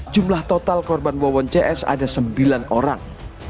jumlah total korban wawon cs ada sembilan orang